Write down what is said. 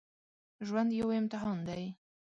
ژوند یو امتحان دی